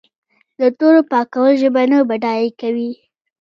د تورو پاکول ژبه نه بډای کوي.